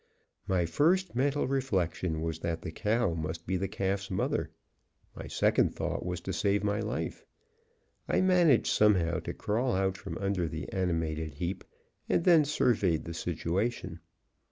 My first mental reflection was that the cow must be the calf's mother; my second thought was to save my life. I managed somehow to crawl out from under the animated heap, and then surveyed the situation.